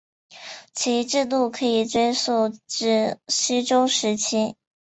其制度可以追溯至西周时期。